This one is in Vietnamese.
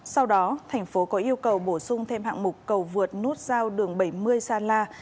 sau đó thành phố có yêu cầu bổ sung thêm hạng mục cầu vượt nút giao đường bảy mươi sa la